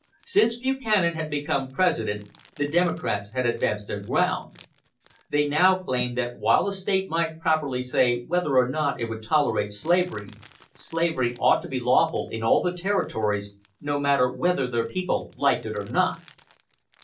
Since Buchanan had become President the Democrats had advanced their ground. They now claimed that while a State might properly say whether or not it would tolerate slavery, slavery ought to be lawful in all the Territories, no matter whether their people liked it or not.